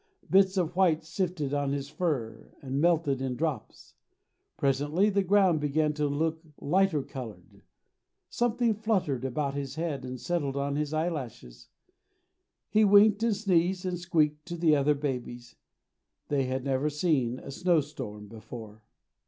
Bits of white sifted on his fur and melted in drops. Presently the ground began to look lighter colored. Something fluttered about his head and settled on his eyelashes. He winked and sneezed and squeaked to the other babies. They had never seen a snowstorm before.